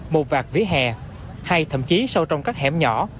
một vạt vía hè hay thậm chí sâu trong các hẻm nhỏ